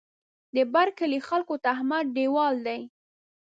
د بر کلي خلکو ته احمد دېوال دی.